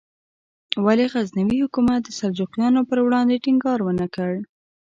ولې غزنوي حکومت د سلجوقیانو پر وړاندې ټینګار ونکړ؟